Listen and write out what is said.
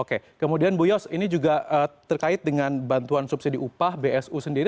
oke kemudian bu yos ini juga terkait dengan bantuan subsidi upah bsu sendiri